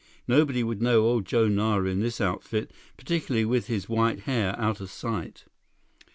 Nobody would know old Joe Nara in this outfit, particularly with his white hair out of sight."